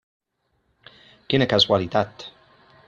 Quina casualitat!